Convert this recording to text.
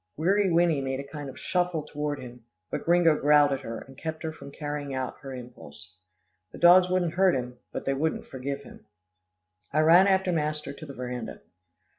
Weary Winnie made a kind of shuffle toward him, but Gringo growled at her, and kept her from carrying out her impulse. The dogs wouldn't hurt him, but they wouldn't forgive him. I ran after master to the veranda.